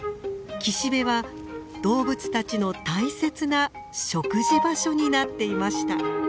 岸辺は動物たちの大切な食事場所になっていました。